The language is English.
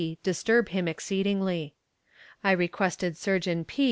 disturb him exceedingly. I requested Surgeon P.